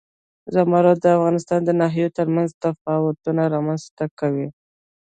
زمرد د افغانستان د ناحیو ترمنځ تفاوتونه رامنځ ته کوي.